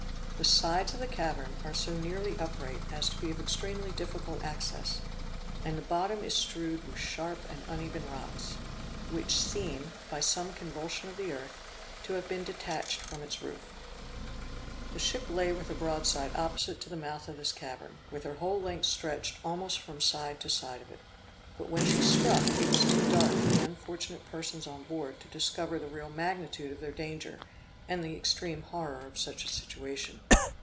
The sides of the cavern are so nearly upright as to be of extremely difficult access; and the bottom is strewed with sharp and uneven rocks, which seem, by some convulsion of the earth, to have been detached from its roof. The ship lay with her broadside opposite to the mouth of this cavern, with her whole length stretched almost from side to side of it. But when she struck, it was too dark for the unfortunate persons on board to discover the real magnitude of their danger, and the extreme horror of such a situation.